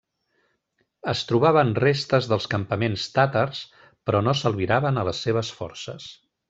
Es trobaven restes dels campaments tàtars però no s'albiraven a les seves forces.